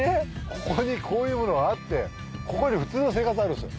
ここにこういうものがあってここに普通の生活あるんすよ